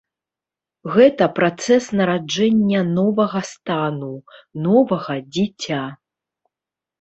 Гэта працэс нараджэння новага стану, новага дзіця.